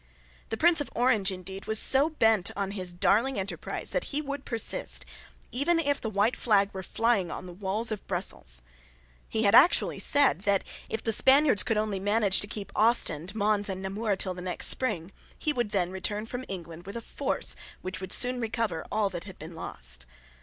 The Prince of Orange, indeed, was so bent on his darling enterprise that he would persist, even if the white flag were flying on the walls of Brussels. He had actually said that, if the Spaniards could only manage to keep Ostend, Mons, and Namur till the next spring, he would then return from England with a force which would soon recover all that had been lost.